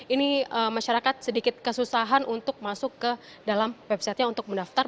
ini masyarakat sedikit kesusahan untuk masuk ke dalam website nya untuk mendaftar